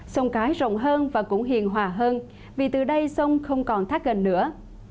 sông cái rộng hơn và cũng hiền hòa hơn vì từ đây sông không còn thác gần nữa